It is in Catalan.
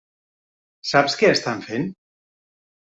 Saps què estan fent?